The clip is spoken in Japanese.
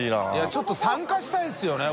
ちょっと参加したいですよね